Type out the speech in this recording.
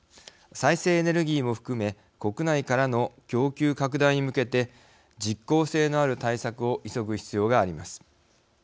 再生エネルギーも含め国内からの供給拡大に向けて実効性のある対策を急ぐ必要があります。